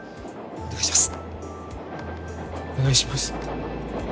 お願いします